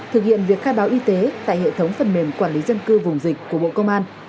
thực hiện việc khai báo y tế tại hệ thống phần mềm quản lý dân cư vùng dịch của bộ công an